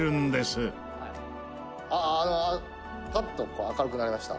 猿之助：「ああパッと明るくなりました」